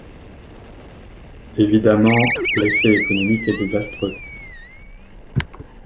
Évidemment, l’effet économique est désastreux